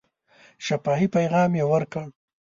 شفاهي پیغام یې ورکړ.